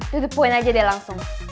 dudupin aja deh langsung